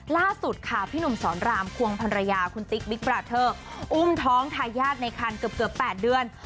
ล่าสุดค่ะพี่หนุ่มสอนรามควงภรรยาคุณติ๊กบิ๊กบราเทอร์อุ้มท้องทายาทในคันเกือบ๘เดือน